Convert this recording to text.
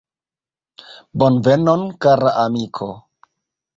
Bonvenon, kara amiko!